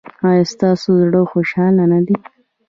ایا ستاسو زړه خوشحاله نه دی؟